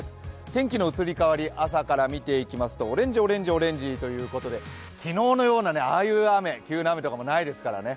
天気の移り変わり、朝から見ていきますとオレンジ、オレンジということで昨日のようなああいう雨はないですからね。